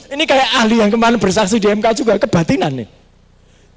ini kayak ahli yang kemarin bersaksi di mk juga kebatinan nih